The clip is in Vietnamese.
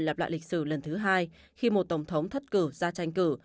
lặp lại lịch sử lần thứ hai khi một tổng thống thất cử ra tranh cử